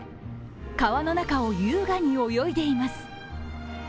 川の中を優雅に泳いでいます。